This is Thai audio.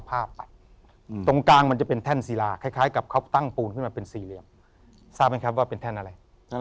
ภาพตัดตรงกลางมันจะเป็นแท่นศิลาคล้ายกับเขาตั้งปูนขึ้นมาเป็นสี่เหลี่ยมทราบไหมครับว่าเป็นแท่นอะไร